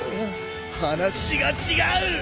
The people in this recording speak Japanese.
話が違う！